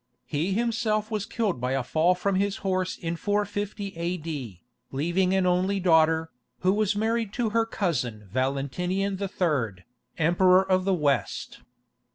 He himself was killed by a fall from his horse in 450 A.D., leaving an only daughter, who was married to her cousin Valentinian III., Emperor of the West.